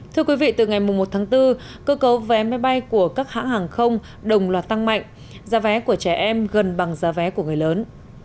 thưa quý vị từ ngày một tháng bốn cơ cấu vé máy bay của các hãng hàng không đồng loạt tăng mạnh giá vé của trẻ em gần bằng giá vé của người lớn